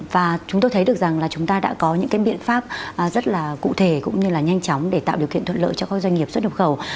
và chúng tôi thấy được rằng là chúng ta đã có những cái biện pháp rất là cụ thể cũng như là nhanh chóng để tạo điều kiện thuận lợi cho các doanh nghiệp xuất nhập khẩu